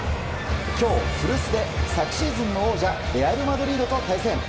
今日、古巣で昨シーズンの王者レアル・マドリードと対戦。